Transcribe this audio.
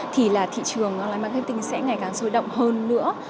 thì là thị trường lấy marketing sẽ ngày càng sôi động hơn nữa